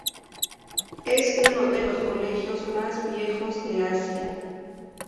Es uno de los colegios más viejos de Asia.